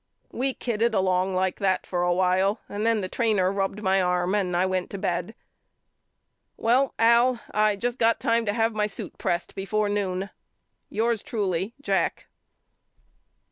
We kidded along like that a while and then the trainer rubbed my arm and I went to bed. Well Al I just got time to have my suit pressed before noon. Yours truly, JACK.